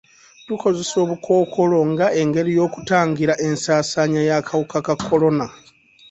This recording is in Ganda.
Tukozesa obukookolo nga engeri y'okutangira ensaasaanya y'akawuka ka kolona.